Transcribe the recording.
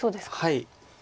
はい。